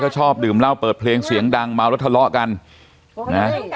ชอบดื่มเหล้าเปิดเพลงเสียงดังเมาแล้วทะเลาะกันนะ